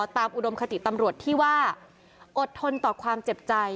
อุดมคติตำรวจที่ว่าอดทนต่อความเจ็บใจ